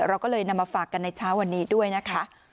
เราก็เลยนำมาฝากกันในเช้าวันนี้ด้วยนะคะ